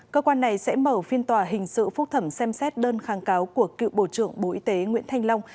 cơ quan này sẽ mở phiên tòa hình sự phúc thẩm xem xét đơn kháng cáo của cựu bộ trưởng bộ y tế nguyễn thanh long